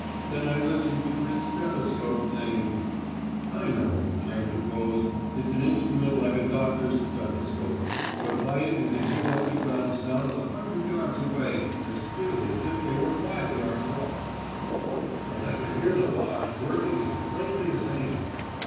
Then I listened through his stethoscope thing ..." "I know," I interposed. It is an instrument like a doctor's stethoscope, and by it you can hear underground sounds a hundred yards away as clearly as if they were five yards off. "... and I could hear the Boche working as plainly as anything.